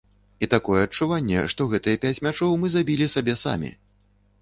І такое адчуванне, што гэтыя пяць мячоў мы забілі сабе самі.